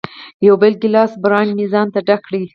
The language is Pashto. یو بل ګیلاس برانډي مې ځانته ډک کړ.